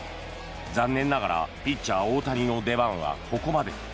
残念ながらピッチャー・大谷の出番はここまで。